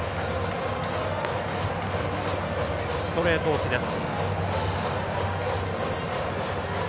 ストレート押しです。